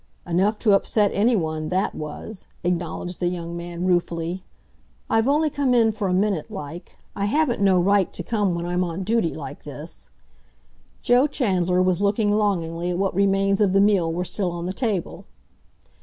"Enough to upset anyone—that was," acknowledged the young man ruefully. "I've only come in for a minute, like. I haven't no right to come when I'm on duty like this—" Joe Chandler was looking longingly at what remains of the meal were still on the table.